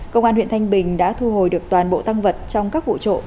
công an huyện thanh bình đã thu hồi được toàn bộ tăng vật trong các vụ trộm